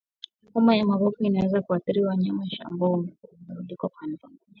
Homa ya mapafu inaweza kuathiri wanyama ambao wamerundikwa mahali pamoja